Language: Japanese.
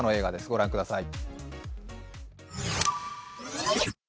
ご覧ください。